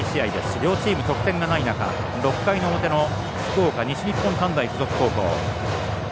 両チーム得点がない中６回の表の福岡西日本短大付属高校。